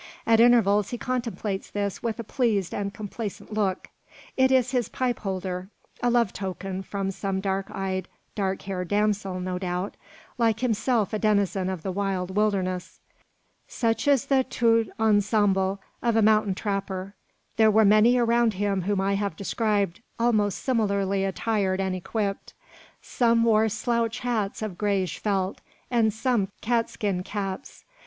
At intervals he contemplates this with a pleased and complacent look. It is his pipe holder: a love token from some dark eyed, dark haired damsel, no doubt, like himself a denizen of the wild wilderness. Such is the tout ensemble of a mountain trapper. There were many around him whom I have described almost similarly attired and equipped. Some wore slouch hats of greyish felt, and some catskin caps.